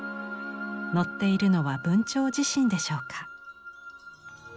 乗っているのは文晁自身でしょうか。